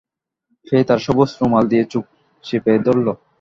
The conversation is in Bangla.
সে তার সবুজ রুমাল দিয়ে চোখ চেপে ধরল।